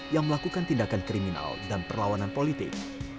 yang melakukan tindakan kriminal dan perlawanan politik